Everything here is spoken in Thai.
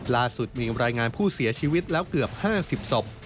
ล่าสุดมีรายงานผู้เสียชีวิตแล้วเกือบ๕๐ศพ